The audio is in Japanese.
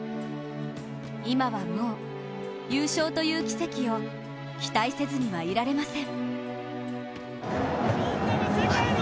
今はもう「優勝」という奇跡を期待せずにはいられません。